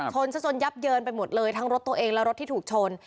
ชนซะจนยับเยินไปหมดเลยทั้งรถตัวเองและรถที่ถูกชน